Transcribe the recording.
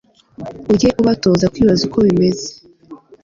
Ujye ubatoza kwibaza uko bimeze